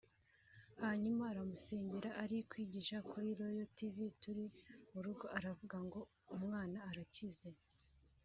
hanyuma aramusengera ari kwigisha kuri Royal Tv turi mu rugo aravuga ngo umwana arakize